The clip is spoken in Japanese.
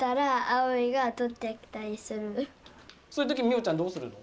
そういうときみよちゃんどうするの？